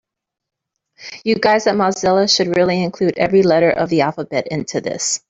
You guys at Mozilla should really include every letter of the alphabet into this.